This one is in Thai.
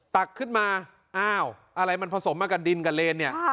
ตักขึ้นมาอ้าวอะไรมันผสมมากับดินกับเลนเนี่ย